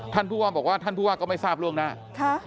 ท่านผู้ว่าบอกว่าท่านผู้ว่าก็ไม่ทราบล่วงหน้า